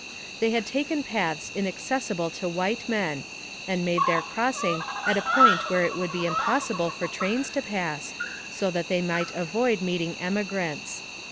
They had taken paths inaccessible to white men, and made their crossing at a point where it would be AMONG THE SIOUX INDIANS. 51 impossible for trains to pass, so that they might avoid meeting emigrants.